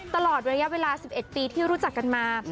ตลอดระยะเวลา๑๑ปีที่รู้จักกันมา